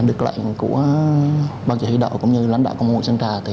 được lệnh của ban chỉ huy đậu cũng như lãnh đạo công an quận sản trà